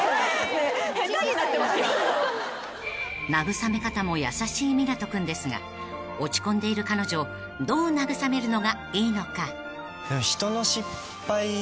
［慰め方も優しい湊斗君ですが落ち込んでいる彼女をどう慰めるのがいいのか？］